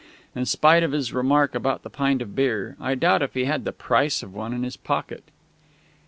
In spite of his remark about the pint of beer, I doubt if he had the price of one in his pocket.